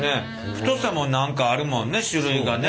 太さも何かあるもんね種類がね。